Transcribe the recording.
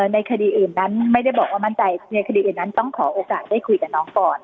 ในคดีอื่นนั้นไม่ได้บอกว่ามั่นใจในคดีอื่นนั้นต้องขอโอกาสได้คุยกับน้องก่อน